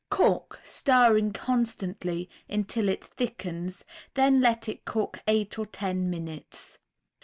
Cook, stirring constantly, until it thickens; then let it cook eight or ten minutes.